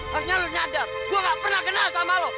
harusnya lu nyadar gua gak pernah kenal sama lu